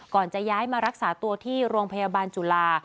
จะย้ายมารักษาตัวที่โรงพยาบาลจุฬา